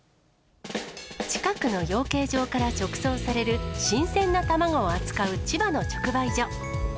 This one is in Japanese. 近くの養鶏場から直送される新鮮な卵を扱う千葉の直売所。